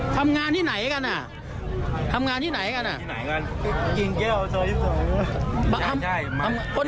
ทำงานที่ไหนกัน